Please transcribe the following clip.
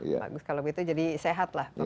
bagus kalau begitu jadi sehatlah